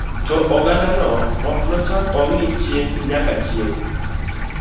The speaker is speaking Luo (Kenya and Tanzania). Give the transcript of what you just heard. To ogandano, ok nochak ongi chieng nyaka chieng